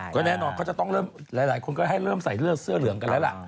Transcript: ก็แน่นอนเขาจะต้องเริ่มหลายคนก็ให้เริ่มใส่เลือดเสื้อเหลืองกันแล้วล่ะ